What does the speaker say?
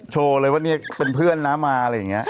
โชว์เลยว่าเป็นเพื่อนมา